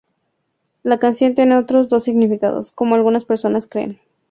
La canción tiene otros dos significados, como algunas personas creen.